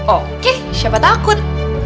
oke siapa takut